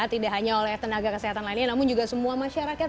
tidak hanya oleh tenaga kesehatan lainnya namun juga semua masyarakat